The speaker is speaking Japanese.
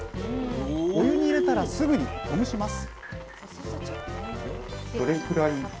お湯に入れたらすぐにほぐします